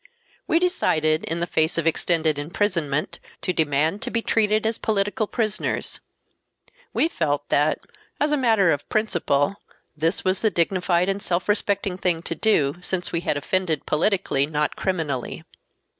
We decided, in the face of extended imprisonment, to demand to be treated as political prisoners. We felt that, as a matter of principle, this was the dignified and self respecting thing to do, since we had offended politically, not criminally.